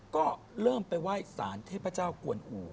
ก็เริ่มไปไหว้สารเทพเจ้ากวนอู่